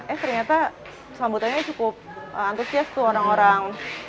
eh ternyata sambutannya cukup antusias tuh orang orang